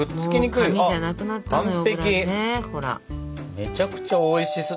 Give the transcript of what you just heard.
めちゃくちゃおいしそう。